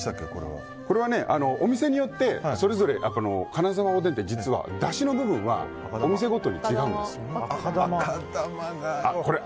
お店によってそれぞれ金澤おでんってだしの部分はお店ごとに違うんです。